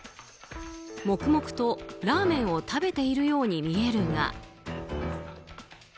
黙々とラーメンを食べているようにみえるが。